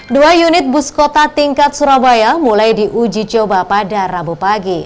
dua unit bus kota tingkat surabaya mulai diuji coba pada rabu pagi